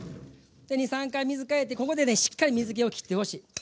２３回水替えてここでしっかり水けをきってほしい。